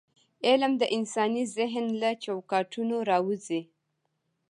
علم د انساني ذهن له چوکاټونه راووځي.